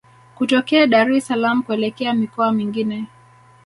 Kutokea Dar es salaam kuelekea mikoa mingine